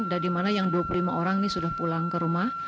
dan di mana yang dua puluh lima orang ini sudah pulang ke rumah